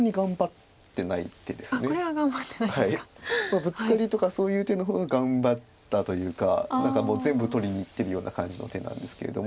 ブツカリとかそういう手の方が頑張ったというか何かもう全部取りにいってるような感じの手なんですけれども。